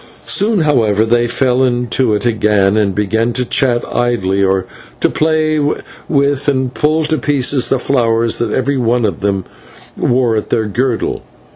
Soon, however, they fell into it again, and began to chat idly, or to play with and pull to pieces the flowers that every one of them wore at her girdle.